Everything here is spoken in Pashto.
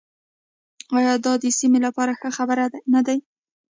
آیا دا د سیمې لپاره ښه خبر نه دی؟